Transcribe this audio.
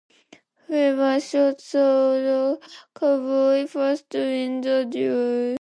Whoever shoots the other cowboy first wins the duel.